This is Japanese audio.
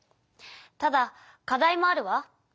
ただ課題もあるわ。